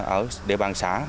ở địa bàn xã